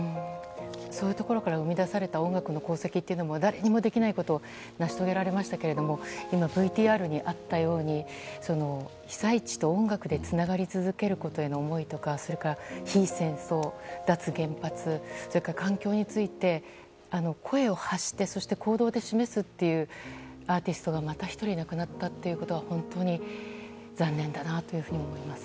そういうところから生み出された音楽の功績というのは誰にもできないことを成し遂げられましたけども今、ＶＴＲにあったように被災地と音楽でつながり続けることへの思いとかそれから非戦争、脱原発それから環境について声を発してそして行動で示すというアーティストがまた１人亡くなったということは本当に残念だなというふうに思います。